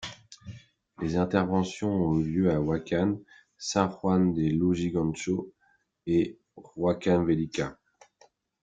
Les interventions ont eu lieu à Huaycán, San Juan de Lurigancho et Huancavelica.